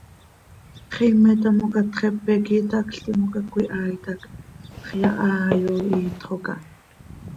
Xiime tamocat xepe quih itacl timoca cöihaait hac hax yahai oo, iitxo cah.